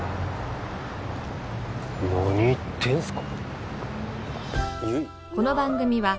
何言ってんすか？